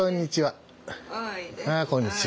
あこんにちは。